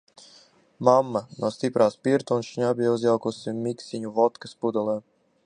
Mamma no stiprā spirta un šņabja uzjaukusi miksiņu vodkas pudelē.